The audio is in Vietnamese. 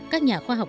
các nhà khoa học